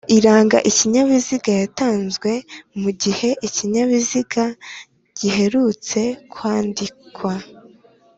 Iranga ikinyabiziga yatanzwe mu gihe ikinyabiziga giherutse kwandikwa